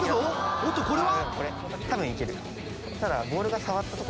おっとこれは？